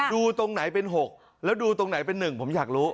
ดูตรงไหนเป็น๖แล้วดูตรงไหนเป็น๑ผมอยากรู้